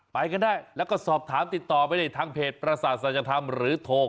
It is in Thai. ไปกันได้แล้วก็สอบถามติดต่อไปในทางเพจประสาทศัลยธรรมหรือโทร